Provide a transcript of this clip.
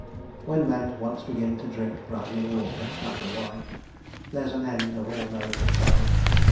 When men once begin to drink brandy and water (after wine) there's an end of all note of time.